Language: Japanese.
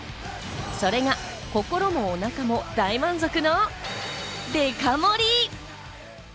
それが心もおなかも大満足のデカ盛り。